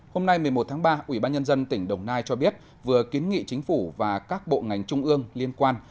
hôm nay một mươi một tháng ba ubnd tỉnh đồng nai cho biết vừa kiến nghị chính phủ và các bộ ngành trung ương liên quan